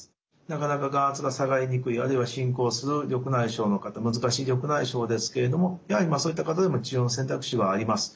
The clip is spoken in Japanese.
なかなか眼圧が下がりにくいあるいは進行する緑内障の方難しい緑内障ですけれどもやはりそういった方でも治療の選択肢はあります。